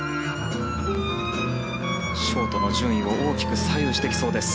ショートの順位を大きく左右してきそうです。